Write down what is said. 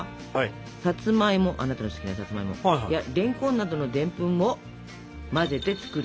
さつまいもあなたの好きなさつまいもやれんこんなどのでんぷんを混ぜて作るものがわらび餅粉。